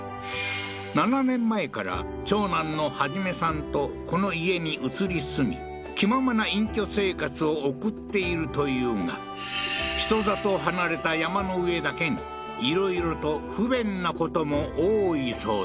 ７年前から長男の一さんとこの家に移り住み気ままな隠居生活を送っているというが人里離れた山の上だけにいろいろと不便な事も多いそうだ